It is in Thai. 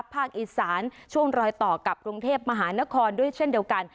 ภาคอีสานช่วงรอยต่อกับกรุงเทพมหานครด้วยเช่นเดียวกัน